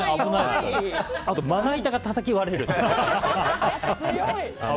あと、まな板がたたき割れるとかね。